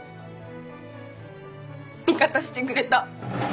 味方してくれた。